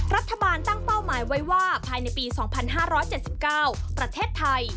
รัฐบาลตั้งเป้าหมายไว้ว่าภายในปี๒๕๗๙ประเทศไทย